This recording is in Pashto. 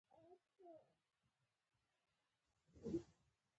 ژوند دوې ورځي دی